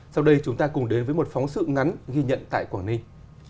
sau đây chúng ta cùng đến với một phóng sự ngắn ghi nhận tại quảng ninh